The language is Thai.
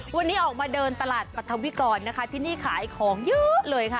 วันนี้ออกมาเดินตลาดปรัฐวิกรนะคะที่นี่ขายของเยอะเลยค่ะ